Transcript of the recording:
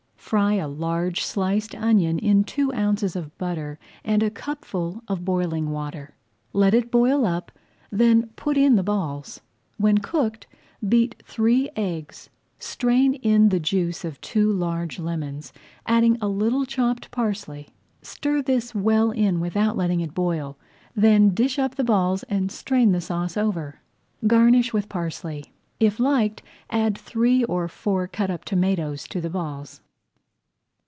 Fry a large sliced onion in two ounces of butter, add a cupful of boiling water, let it boil up, then put in the balls. When cooked, beat three eggs, strain in the juice of two large lemons, adding a little chopped parsley; stir this well in without letting it boil, then dish up the balls and strain the sauce over. Garnish with parsley. If liked, add three or four cut up tomatoes to the balls.